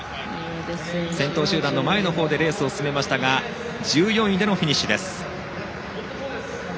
先頭集団の前の方でレースを進めましたが１４位でのフィニッシュです。